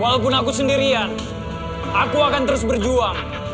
walaupun aku sendirian aku akan terus berjuang